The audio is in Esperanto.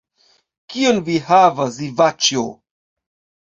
Kion vi havas Ivaĉjo?